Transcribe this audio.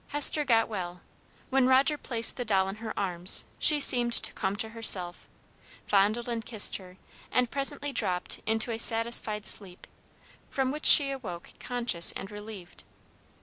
Hester got well. When Roger placed the doll in her arms, she seemed to come to herself, fondled and kissed her, and presently dropped into a satisfied sleep, from which she awoke conscious and relieved.